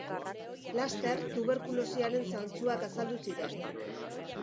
Laster tuberkulosiaren zantzuak azaldu ziren.